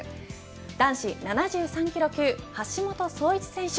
男子７３キロ級橋本壮市選手。